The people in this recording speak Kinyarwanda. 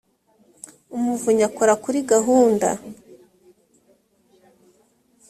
umuvunyi akora kuri gahunda.